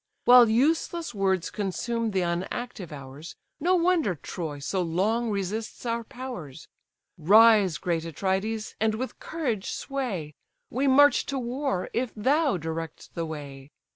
While useless words consume the unactive hours, No wonder Troy so long resists our powers. Rise, great Atrides! and with courage sway; We march to war, if thou direct the way.